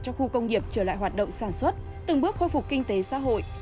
cho khu công nghiệp trở lại hoạt động sản xuất từng bước khôi phục kinh tế xã hội